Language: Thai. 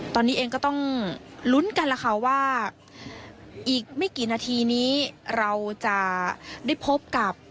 ตอนนี้เองก็ต้องลุ้นกันล่ะค่ะว่าอีกไม่กี่นาทีนี้เราจะได้พบกับ